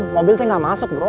mobil saya nggak masuk bro